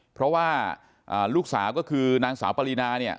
เพราะว่าลูกสาวก็คือนางสาวปรินาเนี่ย